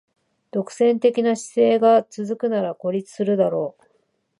独占的な姿勢が続くなら孤立するだろう